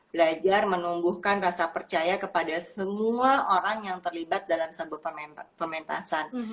belajar menumbuhkan rasa percaya kepada semua orang yang terlibat dalam sebuah pementasan